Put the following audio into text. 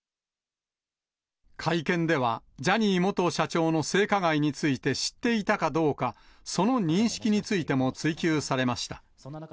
会見では、ジャニー元社長の性加害について知っていたかどうか、その認識についても追及されました。